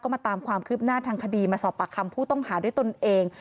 มาตามความคืบหน้าทางคดีมาสอบปากคำผู้ต้องหาด้วยตนเอง